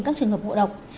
các trường hợp ngộ độc